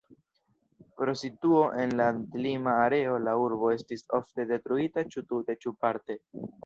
Pro situo en landlima areo la urbo estis ofte detruita ĉu tute ĉu parte.